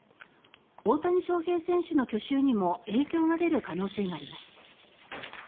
大谷翔平選手の去就にも影響が出る可能性があります。